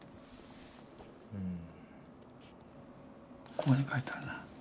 ここに書いてあるな。